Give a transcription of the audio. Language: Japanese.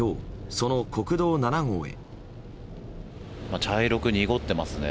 その国道７号へ。